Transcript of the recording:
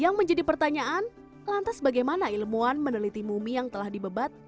yang menjadi pertanyaan lantas bagaimana ilmuwan meneliti mumi yang telah dibebat